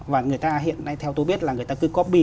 và người ta hiện nay theo tôi biết là người ta cứ copy